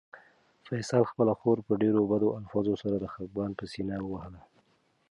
فیصل خپله خور په ډېرو بدو الفاظو سره د خپګان په سېنه ووهله.